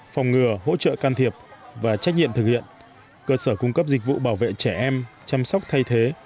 phòng ngừa hỗ trợ can thiệp và trách nhiệm thực hiện cơ sở cung cấp dịch vụ bảo vệ trẻ em chăm sóc thay thế